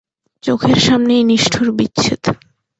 চোখের সামনেই নিষ্ঠুর বিচ্ছেদ।